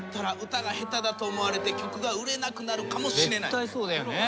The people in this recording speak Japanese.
絶対そうだよね。